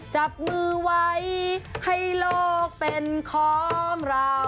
จับมือไว้ให้โลกเป็นของเรา